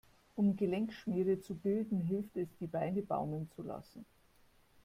Um Gelenkschmiere zu bilden, hilft es, die Beine baumeln zu lassen.